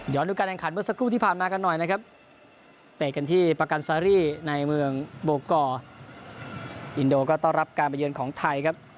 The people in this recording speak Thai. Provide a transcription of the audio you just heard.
ดูการแข่งขันเมื่อสักครู่ที่ผ่านมากันหน่อยนะครับเตะกันที่ประกันซารี่ในเมืองโบกอร์อินโดก็ต้อนรับการไปเยือนของไทยครับ